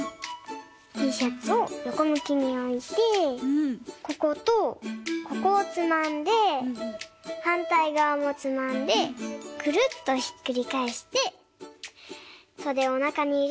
ティーシャツをよこむきにおいてこことここをつまんではんたいがわもつまんでくるっとひっくりかえしてそでをなかにいれればかんせい！